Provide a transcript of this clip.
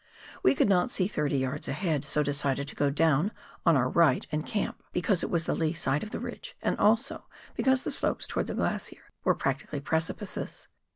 We could not see thirty yards ahead, so decided to go down on our right and camp, because it was the lee side of the ridge, and also because the slopes towards the glacier were practically precipices.